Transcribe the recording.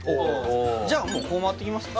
じゃあもうこう回っていきますか？